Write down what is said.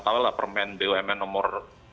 tahu lah permen bumn nomor